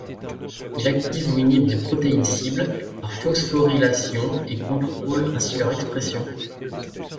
Il active ou inhibe des protéines cibles par phosphorylation et contrôle ainsi leur expression.